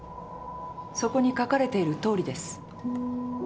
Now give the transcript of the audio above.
そこに書かれているとおりです。